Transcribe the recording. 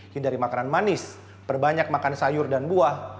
hindari makanan manis perbanyak makan sayur dan buah